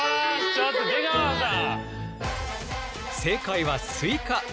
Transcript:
ちょっと出川さん！